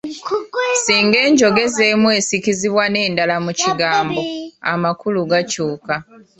Singa enjogeza emu esikizibwa n’endala mu kigambo, amakulu gakyuka.